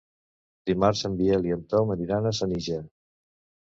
Dimarts en Biel i en Tom aniran a Senija.